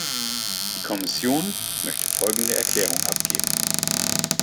Die Kommission möchte folgende Erklärung abgeben.